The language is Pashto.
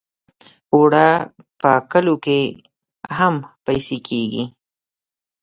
اوړه په کلو کې هم پېسې کېږي